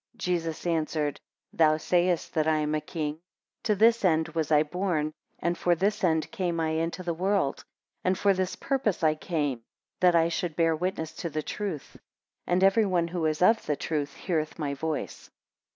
Jesus answered, Thou sayest that I am a king: to this end was I born, and for this end came I into the world; and for this purpose I came, that I should bear witness to the truth; and every one who is of the truth, heareth my voice.